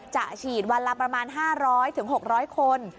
ฉีดวันละประมาณ๕๐๐๖๐๐คน